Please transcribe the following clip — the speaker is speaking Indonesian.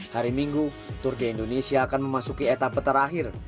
hari minggu tour de indonesia akan memasuki etapa terakhir